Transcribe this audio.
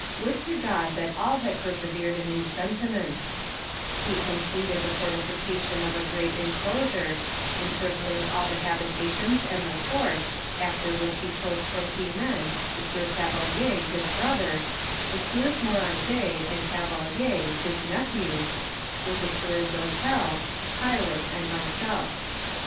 Would to God that all had ponevered in these sentiments I He completed the fortification of a great encloBura, encircling all the habitations and the fort, after Mrhich he chose twenty men, the sieur Gavelier, his brother, the sieurs Moranget and Gavelier, his nephews, with the sieur Joutel,* pilot and myself.